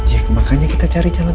ya makanya kita cari jalan